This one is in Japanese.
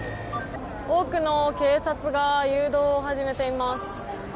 多くの警察が誘導を始めています。